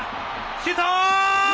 シュート！